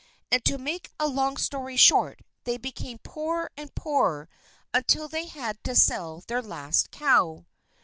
And to make a long story short, they became poorer and poorer, until they had to sell their last cow.